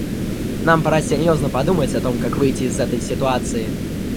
Нам пора серьезно подумать о том, как выйти из этой ситуации.